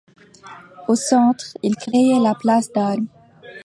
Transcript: Au centre, il crée la place d'Armes.